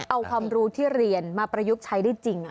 เอาความรู้ที่เรียนมาประยุกต์ใช้ได้จริง